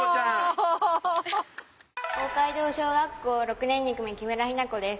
大街道小学校６年２組木村ひな子です。